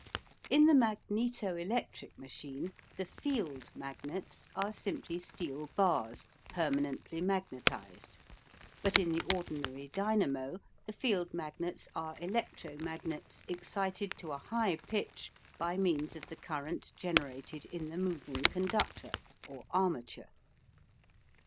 In the "magneto electric" machine the FIELD MAGNETS are simply steel bars permanently magnetised, but in the ordinary dynamo the field magnets are electro magnets excited to a high pitch by means of the current generated in the moving conductor or armature.